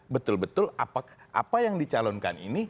betul betul apa yang dicalonkan ini